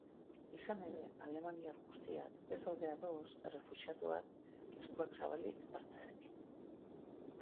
Izan ere, alemaniar guztiak ez daude ados errefuxiatuak eskuak zabalik hartzearekin.